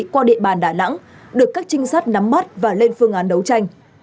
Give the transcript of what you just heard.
qua địa bàn đà nẵng được các trinh sát nắm bắt và lên phương án đấu tranh